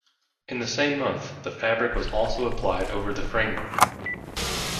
In the same month, the fabric was also applied over the framework.